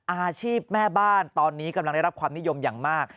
อาชีพแม่บ้านตอนนี้กำลังได้รับความนิยมอย่างมาก